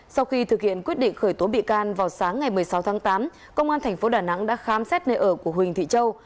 sau khi thực hiện quyết định khởi tố bị can vào sáng ngày một mươi sáu tháng tám công an tp đà nẵng đã khám xét nơi ở của huỳnh thị châu